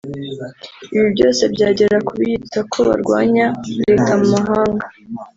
Ibi byose byagera ku biyita ko barwanya Leta mu mahanga